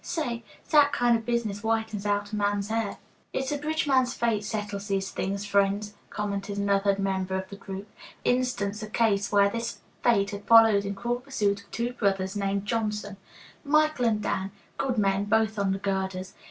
Say, it's that kind of business whitens out a man's hair." "It's a bridge man's fate settles these things, friends," commented another member of the group. And he instanced a case where this fate had followed in cruel pursuit of two brothers named Johnson, Michael and Dan, good men both on the girders.